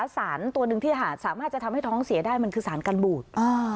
สารตัวหนึ่งที่สามารถจะทำให้ท้องเสียได้มันคือสารกันบูด